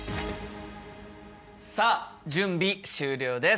さあ準備終了です。